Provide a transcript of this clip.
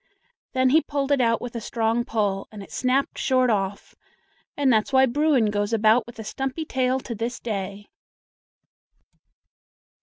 Then he pulled it out with a strong pull, and it snapped short off, and that's why Bruin goes about with a stumpy tail to this day!